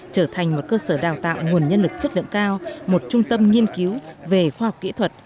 trở thành một cơ sở đào tạo nguồn nhân lực chất lượng cao một trung tâm nghiên cứu về khoa học kỹ thuật